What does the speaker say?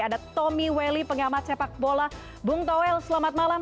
ada tommy welly pengamat sepak bola bung toel selamat malam